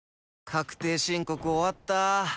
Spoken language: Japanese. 確定申告終わった。